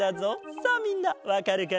さあみんなわかるかな？